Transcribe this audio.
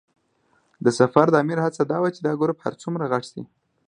د سفر د امیر هڅه دا وه چې دا ګروپ هر څومره غټ شي.